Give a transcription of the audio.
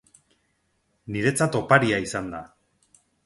Niretzat oparia izan da.